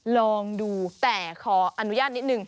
ลองดูแต่ขออนุญาตนิดนึง